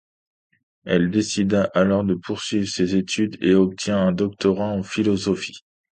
Elle décida alors de poursuivre ses études et obtint un Doctorat en Philosophie.